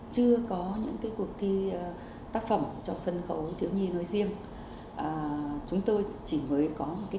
chưa có những cuộc thi tác phẩm cho sân khấu thiếu nhi nói riêng chúng tôi chỉ mới có một cái